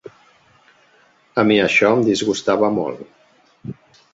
A mi això em disgustava molt.